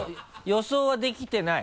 予想はできてない？